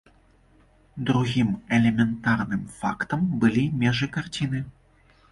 Другім элементарным фактам былі межы карціны.